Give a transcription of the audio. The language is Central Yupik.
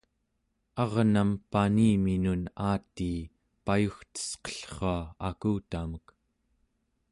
arnam paniminun aatii payugtesqellrua akutamek